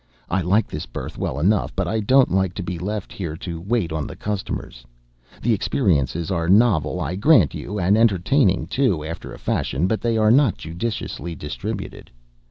I like this berth well enough, but I don't like to be left here to wait on the customers. The experiences are novel, I grant you, and entertaining, too, after a fashion, but they are not judiciously distributed.